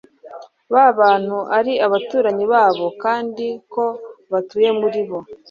ba bantu ari abaturanyi babo kandi ko batuye muri bo